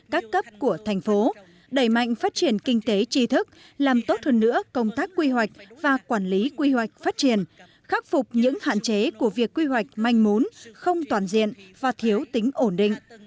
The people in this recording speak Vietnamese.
các cấp của thành phố đẩy mạnh phát triển kinh tế tri thức làm tốt hơn nữa công tác quy hoạch và quản lý quy hoạch phát triển khắc phục những hạn chế của việc quy hoạch manh mốn không toàn diện và thiếu tính ổn định